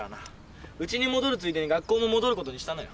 ウチに戻るついでに学校も戻ることにしたのよ。